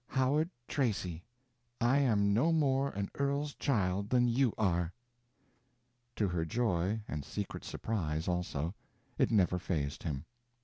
Howard Tracy, I am no more an earl's child than you are!" To her joy—and secret surprise, also—it never phased him.